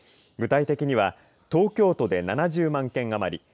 具体的には東京都で７０万件余り。